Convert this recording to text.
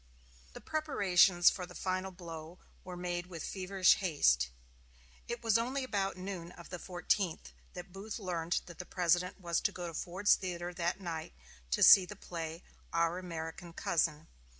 The preparations for the final blow were made with feverish haste. It was only about noon of the fourteenth that Booth learned that the President was to go to Ford's Theater that night to see the play "Our American Cousin."